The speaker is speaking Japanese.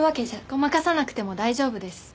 ごまかさなくても大丈夫です。